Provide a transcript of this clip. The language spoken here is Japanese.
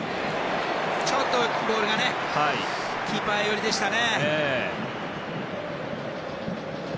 ちょっとボールがキーパー寄りでしたね。